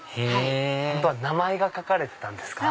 へぇ名前が書かれてたんですか？